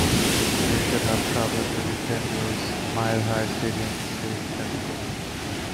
They should have traveled to Denver's Mile High Stadium to face the Denver Gold.